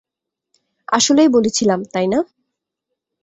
আসলেই বলেছিলাম, তাই না?